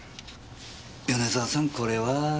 米沢さんこれは？